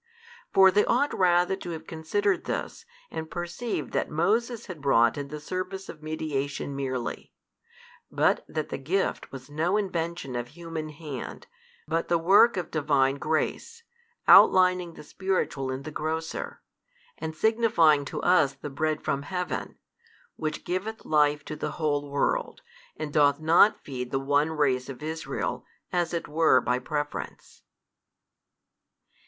For they ought rather to have considered this and perceived that Moses had brought in the service of mediation merely: but that the gift was no invention of human hand, but the work of Divine Grace, outlining the spiritual in the grosser, and signifying to us the Bread from Heaven, Which giveth Life to the whole world, and doth not feed the one race of Israel as it were by preference.